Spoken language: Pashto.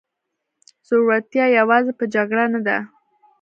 زړورتیا یوازې په جګړه نه ده.